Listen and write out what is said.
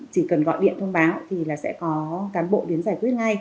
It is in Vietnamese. chỉ cần gọi điện thông báo thì là sẽ có cán bộ đến giải quyết ngay